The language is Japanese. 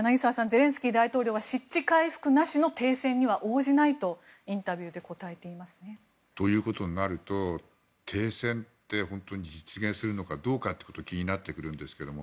ゼレンスキー大統領は失地回復なしの停戦には応じないとインタビューで答えていますね。ということになると停戦って本当に実現するのかどうか気になってくるんですけど。